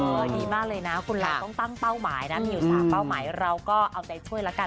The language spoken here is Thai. ดีมากเลยนะคนเราต้องตั้งเป้าหมายนะมีอยู่๓เป้าหมายเราก็เอาใจช่วยละกัน